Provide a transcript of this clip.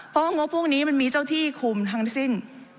เพราะงบพวกนี้มันมีเจ้าที่คุมทั้งสิ้น